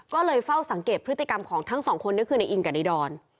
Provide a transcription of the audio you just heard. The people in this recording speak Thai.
ก็เลยเฝ้าสังเกตพฤติกรรมของทั้งสองคนก็คือในอิงกับในดอน